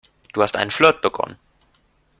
Du hast einen Flirt begonnen.